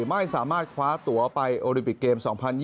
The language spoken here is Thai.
ไม่สามารถคว้าตัวไปโอลิมปิกเกม๒๐๒๐